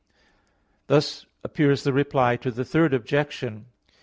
Thus appears the Reply to the Third Objection.